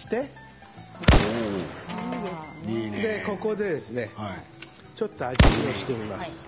ここでちょっと味見をしてみます。